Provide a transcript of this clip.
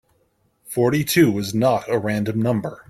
Forty-two is not a random number.